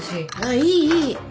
いいいい。